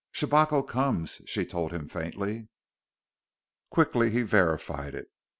"Shabako comes!" she told him faintly. Quickly he verified it.